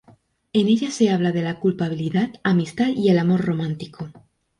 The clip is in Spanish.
En ella se habla de la culpabilidad, amistad y el amor romántico.